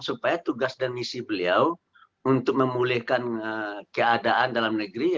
supaya tugas dan misi beliau untuk memulihkan keadaan dalam negeri